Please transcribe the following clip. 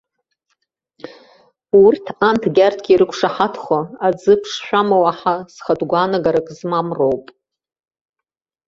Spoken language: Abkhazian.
Урҭ анҭгьы арҭгьы ирықәшаҳаҭхо, аӡы ԥшшәы амоу аҳа, зхатәы гәаанагарак змам роуп.